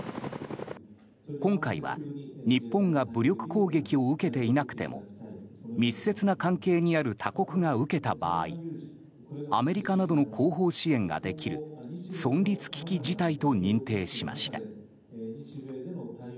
今回は日本が武力攻撃を受けていなくても密接な関係にある他国が受けた場合アメリカなどの後方支援ができる存立危機事態と認定しました。